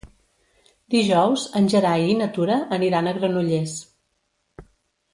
Dijous en Gerai i na Tura aniran a Granollers.